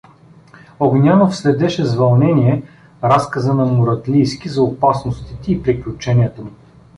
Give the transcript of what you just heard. Огнянов следеше с вълнение разказа на Муратлийски за опасностите и приключенията му.